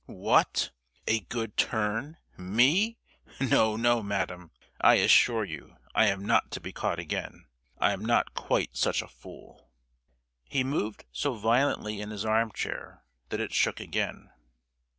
"What? a good turn—me? No, no, madam! I assure you I am not to be caught again! I'm not quite such a fool!" He moved so violently in his arm chair that it shook again.